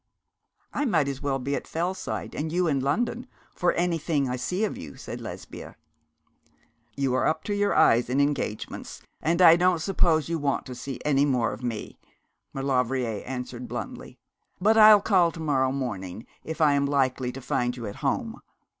'I might as well be at Fellside and you in London, for anything I see of you,' said Lesbia. 'You are up to your eyes in engagements, and I don't suppose you want to see any more of me.' Maulevrier answered, bluntly. 'But I'll call to morrow morning, if I am likely to find you at home.